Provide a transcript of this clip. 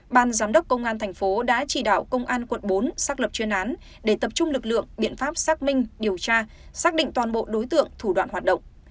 ban giám đốc công an thành phố đã chỉ đạo công an quận bốn xác lập chuyên án để tập trung lực lượng biện pháp xác minh điều tra xác định toàn bộ đối tượng thủ đoạn hoạt động